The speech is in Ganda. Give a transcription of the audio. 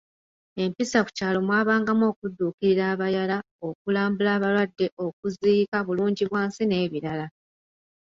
Empisa ku kyalo mwabangamu okudduukirira abayala, okulambula abalwadde, okuziika, bulungibwansi n'ebirala.